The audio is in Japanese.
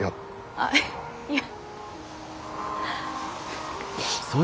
あっいや。